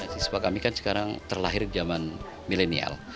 siswa kami kan sekarang terlahir di zaman milenial